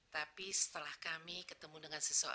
tapi setelah kami ketemu dengan seseorang